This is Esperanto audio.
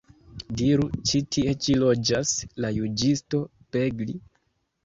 Diru, ĉu tie ĉi loĝas la juĝisto Begli?